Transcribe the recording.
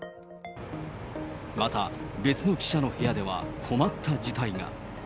また、別の記者の部屋では、困った事態が。